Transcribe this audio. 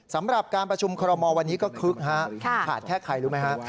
ขาดแค่ใครรู้ไหมครับ